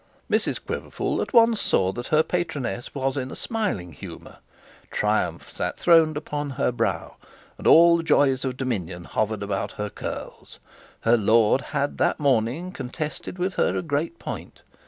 Mrs Quiverful at once saw that her patroness was in a smiling humour. Triumph sat throned upon her brow, and all the joys of dominion hovered about her curls. Her lord had that morning contested with her a great point.